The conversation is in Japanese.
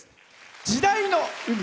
「時代の海」。